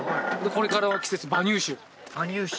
これからの季節馬乳酒馬乳酒